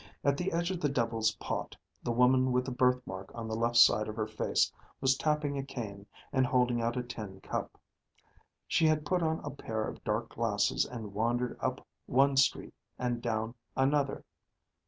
At the edge of the Devil's Pot, the woman with the birthmark on the left side of her face was tapping a cane and holding out a tin cup. She had put on a pair of dark glasses and wandered up one street and down another.